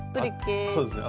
そうですね。